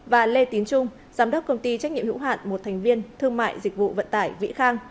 và lê tín trung giám đốc công ty trách nhiệm hữu hạn một thành viên thương mại dịch vụ vận tải vĩ khang